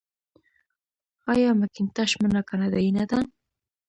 آیا مکینټاش مڼه کاناډايي نه ده؟